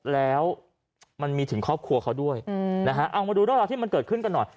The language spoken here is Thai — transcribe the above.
แล้วมันมีถึงครอบครัวเขาด้วยเอามาดูที่มันเกิดขึ้นกันหน่อย